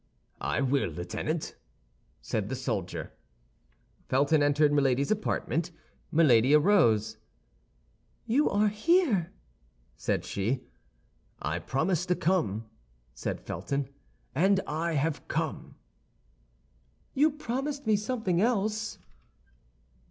"I will, Lieutenant," said the soldier. Felton entered Milady's apartment. Milady arose. "You are here!" said she. "I promised to come," said Felton, "and I have come." "You promised me something else."